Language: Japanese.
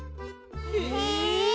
へえ！